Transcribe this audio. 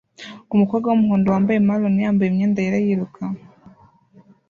Umukobwa wumuhondo wambaye maroon yambaye imyenda yera yiruka